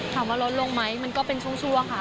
ถามว่ารถลงไหมมันก็เป็นช่วงชั่วค่ะ